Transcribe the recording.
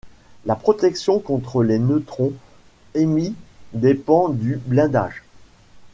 La protection contre les neutrons émis dépend du blindage.